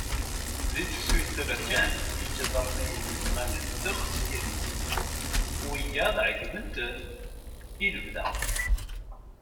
Di tefsut taberkant, iǧadaṛmiyen nɣan ddeqs n yilmeẓyen, wiyaḍ ɛeggben-ten ilebda.